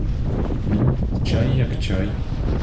Ну, чай як чай.